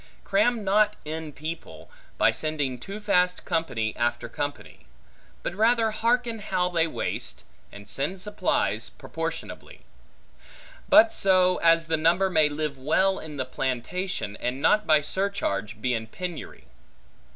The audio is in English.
Cram not in people, by sending too fast company after company; but rather harken how they waste, and send supplies proportionably; but so, as the number may live well in the plantation, and not by surcharge be in penury.